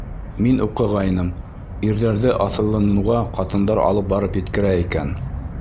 Мин уҡығайным: ирҙәрҙе аҫылыныуға ҡатындар алып барып еткерә икән.